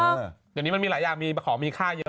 เดี๋ยวนี้มันมีหลายอย่างมีของมีค่าเยอะ